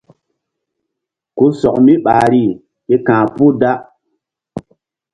Ku sɔk mi ɓahri ke ka̧h puh da.